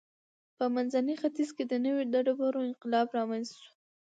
په منځني ختیځ کې د نوې ډبرې انقلاب رامنځته شو.